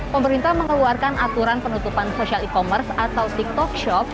pemerintah mengeluarkan aturan penutupan social e commerce atau tiktok shop